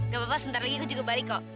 gak apa apa sebentar lagi aku juga balik kok